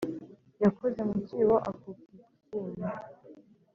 yakoze mu cyibo akuka icyinyo